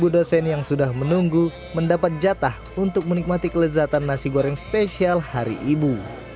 dua puluh dosen yang sudah menunggu mendapat jatah untuk menikmati kelezatan nasi goreng spesial hari ibu